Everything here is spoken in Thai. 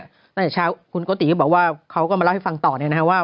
ตั้งแต่เช้าคุณโกติก็บอกว่าเขาก็มาเล่าให้ฟังต่อเนี่ยนะฮะว่า